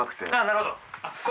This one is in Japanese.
なるほど。